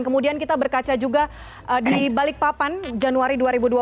kemudian kita berkaca juga di balikpapan januari dua ribu dua puluh